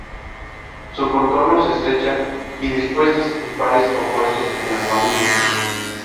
Su contorno se estrecha, y dispuestas en pares opuestos en las ramillas.